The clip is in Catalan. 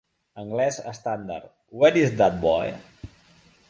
Anglès estàndard: Where is that boy?